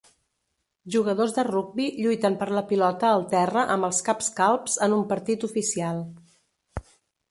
Jugadors de rugbi lluiten per la pilota al terra amb els caps calbs en un partit oficial.